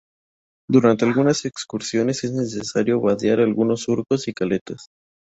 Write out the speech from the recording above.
Durante algunas excursiones es necesario vadear algunos surcos y caletas.